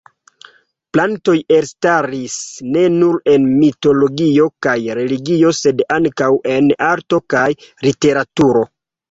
Plantoj elstaris ne nur en mitologio kaj religio sed ankaŭ en arto kaj literaturo.